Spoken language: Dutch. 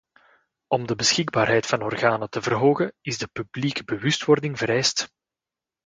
Om de beschikbaarheid van organen te verhogen, is publieke bewustwording vereist.